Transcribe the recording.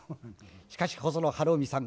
しかし細野晴臣さん